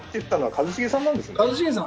一茂さんですよ。